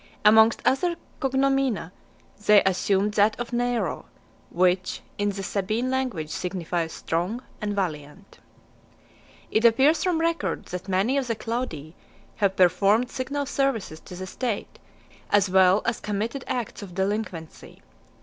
Amongst other cognomina, they assumed that of Nero, which in the Sabine language signifies strong and valiant. II. It appears from record, that many of the Claudii have performed signal services to the state, as well as committed acts of delinquency.